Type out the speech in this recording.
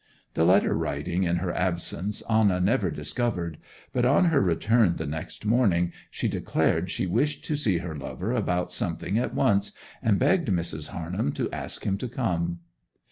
The letter writing in her absence Anna never discovered; but on her return the next morning she declared she wished to see her lover about something at once, and begged Mrs. Harnham to ask him to come.